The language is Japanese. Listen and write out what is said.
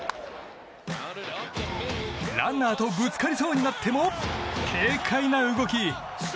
ランナーとぶつかりそうになっても軽快な動き。